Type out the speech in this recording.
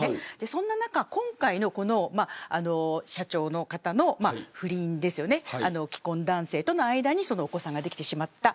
そんな中、今回の社長の方の不倫ですよね、既婚男性との間にお子さんができてしまった。